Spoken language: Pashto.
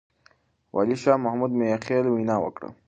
والي شاه محمود مياخيل وينا وکړه.